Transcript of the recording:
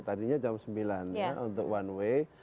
tadinya jam sembilan untuk one way